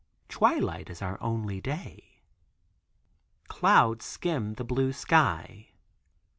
Twilight is our only day. Clouds skim the blue sky.